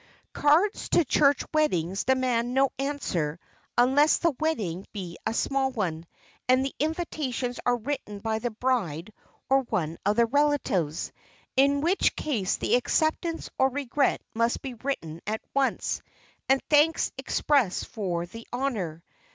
Cards to church weddings demand no answer unless the wedding be a small one and the invitations are written by the bride or one of the relatives, in which case the acceptance or regret must be written at once, and thanks expressed for the honor.